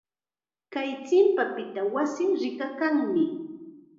Kay chimpapita wasii rikakanmi.